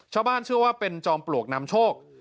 ชาวบ้านเชื่อว่าเป็นจอมปลวกนำโชค